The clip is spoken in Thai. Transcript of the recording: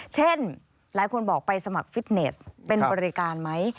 เช่นหลายคนบอกไปสมัครฟิตเนสเป็นบริการไหม